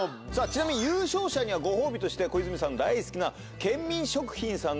さぁちなみに優勝者にはご褒美として小泉さんの大好きな。